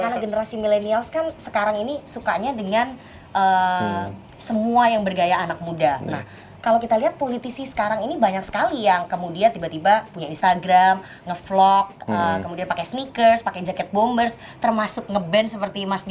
karena generasi millennials kan sekarang ini sukanya dengan semua yang bergaya anak muda kalau kita lihat politisi sekarang ini banyak sekali yang kemudian tiba tiba punya instagram nge vlog kemudian pakai sneakers pakai jaket bombers termasuk nge band seperti mas dias